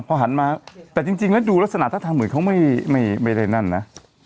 พอหันมาแต่จริงแล้วดูลักษณะท่าทางเหมือนเขาไม่ได้นั่นนะ